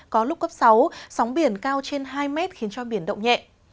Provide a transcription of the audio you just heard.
có lúc cấp sáu sóng biển cao trên hai mét khiến cho biển động nhẹ